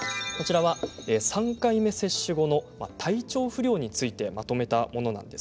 ３回目接種後の体調不良についてまとめたものです。